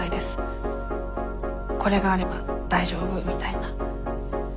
これがあれば大丈夫みたいな。